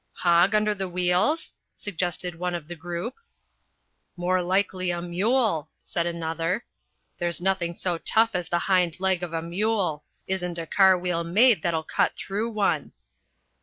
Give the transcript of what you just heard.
"Hog under the wheels?" suggested one of the group. "More likely a mule," said another. "There's nothing so tough as the hind leg of a mule. Isn't a car wheel made that'll cut through one."